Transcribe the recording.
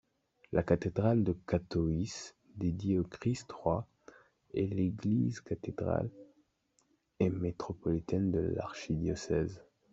La cathédrale de Katowice, dédiée au Christ-Roi est l'église cathédrale et métropolitaine de l'archidiocèse.